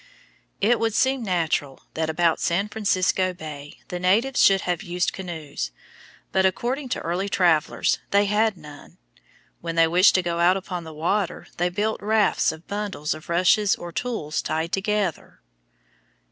It would seem natural that about San Francisco Bay the natives should have used canoes, but, according to early travellers, they had none. When they wished to go out upon the water they built rafts of bundles of rushes or tules tied together.